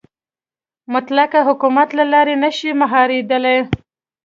مطلقه حکومت له لارې نه شي مهارېدلی.